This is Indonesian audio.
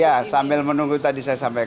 ya sambil menunggu tadi saya sampaikan